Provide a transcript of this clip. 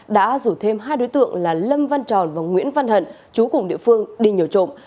đã rủ thêm hai đối tượng là lâm văn tròn và nguyễn văn hận chú cùng địa phương đi nhờ trộm